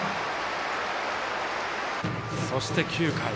そして、９回。